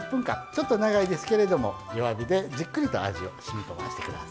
ちょっと長いですけれども弱火でじっくりと味をしみこませてください。